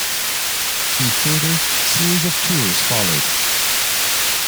A further series of tours followed.